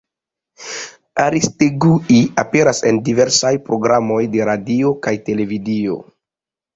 Aristegui aperas en diversaj programoj de radio kaj televido.